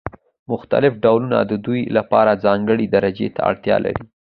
مختلف ډولونه د ودې لپاره ځانګړې درجې ته اړتیا لري.